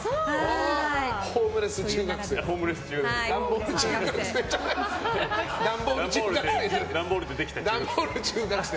「ホームレス中学生」。